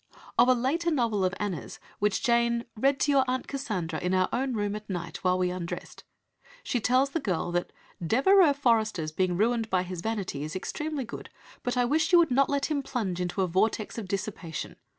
Of a later novel of Anna's, which Jane "read to your Aunt Cassandra in our own room at night, while we undressed," she tells the girl that "Devereux Forester's being ruined by his vanity is extremely good, but I wish you would not let him plunge into a 'vortex of dissipation.'